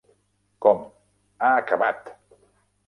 Com: "Ha acabat!